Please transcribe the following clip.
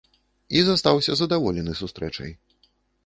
І застаўся задаволены сустрэчай.